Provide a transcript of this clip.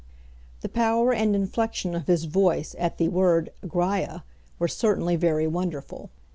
The power and inflexion of his voice at the word Graiâ were certainly very wonderful.